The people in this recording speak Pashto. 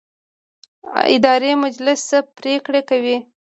اداري مجلس څه پریکړې کوي؟